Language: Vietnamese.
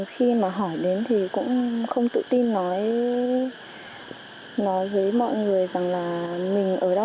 khi mà hỏi đến thì cũng không tự tin nói với mọi người rằng là mình ở đâu